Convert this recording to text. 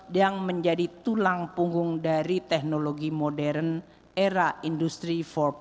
yang menjadi tulang punggung dari teknologi modern era industri empat